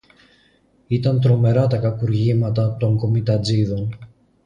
Ήταν τρομερά τα κακουργήματα των κομιτατζήδων.